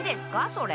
それ。